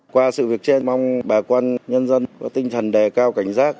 qua sự việc trên mong bà con nhân dân có tinh thần đề cao cảnh giác